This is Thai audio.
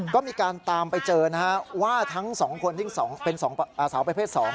ก็มีการตามไปเจอนะฮะว่าทั้ง๒คนที่เป็นสาวประเภท๒